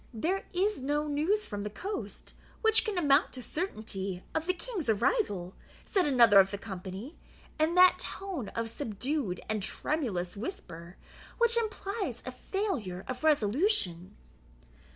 "There is no news from the coast which can amount to certainty of the King's arrival," said another of the company, in that tone of subdued and tremulous whisper which implies a failure of resolution.